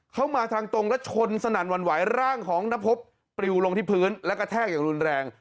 มาทางตรงแล้วชนสนั่นหวั่นไหวร่างของนพบปริวลงที่พื้นและกระแทกอย่างรุนแรง